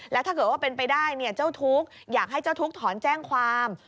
แล้วถ้าเกิดว่าเป็นไปได้เจ้าทุกข์อยากให้เจ้าทุกข์ถอนแจ้งความ